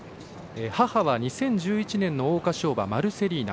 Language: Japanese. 母は２０１１年の桜花賞馬マルセリーナ。